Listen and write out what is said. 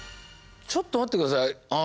ちょっと待って下さい。